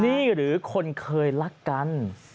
นี่หรือคนเคยรักกัน